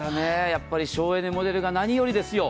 やっぱり省エネモデルが何よりですよ。